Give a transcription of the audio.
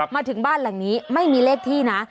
มาถึงบ้านหลังนี้ไม่มีเลขที่นะ